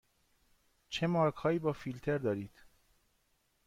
چه مارک هایی با فیلتر دارید؟